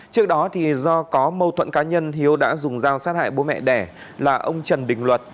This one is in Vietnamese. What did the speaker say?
trước đó do có mâu thuẫn cá nhân hiếu đã dùng dao sát hại bố mẹ đẻ là ông trần đình luật